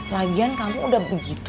lagian kamu udah begitu